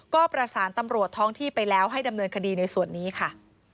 ก็ประสานตำรวจท้องที่ไปแล้วให้ดำเนินคดีในส่วนนี้ค่ะ